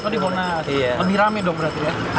kalau di monas lebih rame dong berarti ya